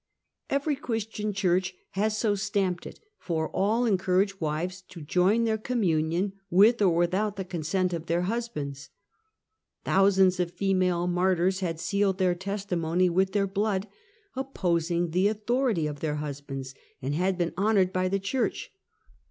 Every Christian church had so stamped it, for all encouraged wives to join their communion with or without the consent of their husbands. Thousands of female martyrs had sealed their testimony with their blood, opposing the authority of their husbands, and had been honored by the church.